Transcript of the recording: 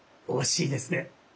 惜しいですね。